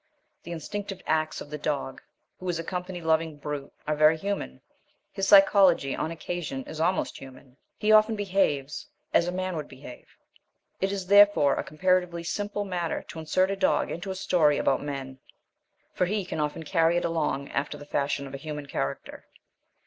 The instinctive acts of the dog, who is a company loving brute, are very human; his psychology on occasion is almost human. He often behaves as a man would behave. It is therefore a comparatively simple matter to insert a dog into a story about men, for he can often carry it along after the fashion of a human character.